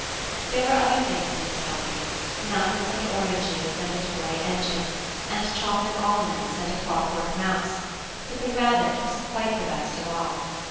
There were other things in the stocking, nuts and oranges and a toy engine, and chocolate almonds and a clockwork mouse, but the Rabbit was quite the best of all.